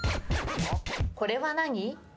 これは何？